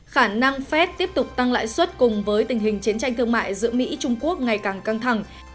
khả năng phép tiếp tục tăng lãi suất cùng với tình hình chiến tranh thương mại giữa mỹ trung quốc ngày càng căng thẳng